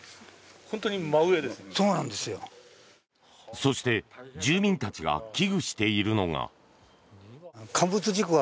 そして、住民たちが危惧しているのが。